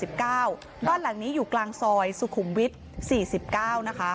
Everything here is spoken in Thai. บ้านหลังนี้อยู่กลางซอยสุขุมวิทย์๔๙นะคะ